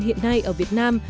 hiện nay ở việt nam